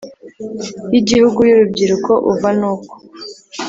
y Igihugu y Urubyiruko uva n uko